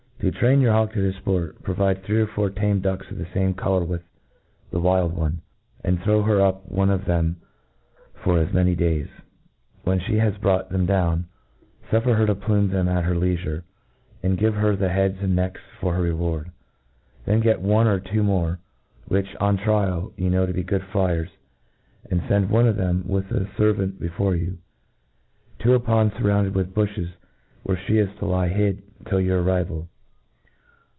.To traita your hawk to this fport, provide three or four tame ducks of the fame colour with the wild one, and throw her tip one of them for as many days. When flie has brought them down,' fuffer her to plume them at her lei fure, and give her the heads and necks for htr reward. Then get orte or two more, which, on trial, you know to be good flyers, and fend one of them with ' a fervant before you, to a pond furrounded with buflies, where he is to lie hid till your/arrival.